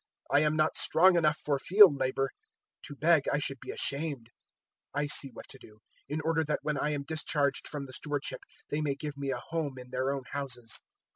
I am not strong enough for field labour: to beg, I should be ashamed. 016:004 I see what to do, in order that when I am discharged from the stewardship they may give me a home in their own houses.'